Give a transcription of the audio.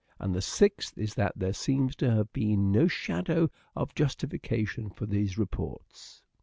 And the sixth is that there seems to have been no shadow of justification for these reports.